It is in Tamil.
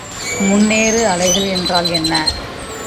முன்னேறுஅலைகள் என்றால் என்ன?